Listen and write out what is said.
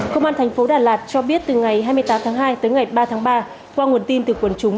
công an thành phố đà lạt cho biết từ ngày hai mươi tám tháng hai tới ngày ba tháng ba qua nguồn tin từ quần chúng